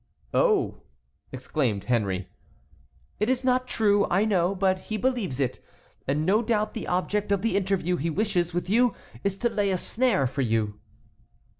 "Oh!" exclaimed Henry. "It is not true, I know, but he believes it, and no doubt the object of the interview he wishes with you is to lay a snare for you."